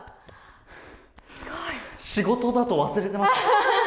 仕事だと忘れてました。